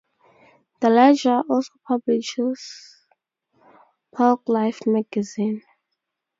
"The Ledger" also publishes "Polk Life" magazine.